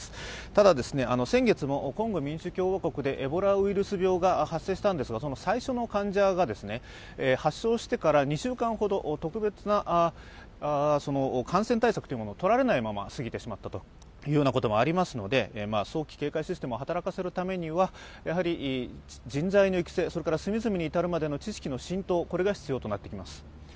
ただ、先月もコンゴ民主共和国でエボラウイルス病が発生したんですが、その最初の患者が発症してから２週間ほど特別な感染対策がとられないまま過ぎてしまったこともありますので早期警戒システムを働かせるためには、人材の育成、それから隅々に至るまでの知識の浸透が必要になってきます。